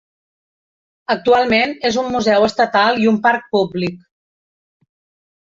Actualment és un museu estatal i un parc públic.